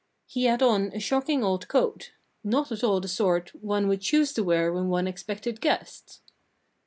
He had on a shocking old coat not at all the sort one would choose to wear when one expected guests.